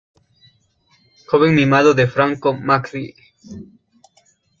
Joven mimado de Franco Macri.